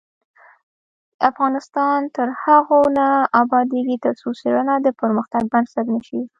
افغانستان تر هغو نه ابادیږي، ترڅو څیړنه د پرمختګ بنسټ نشي.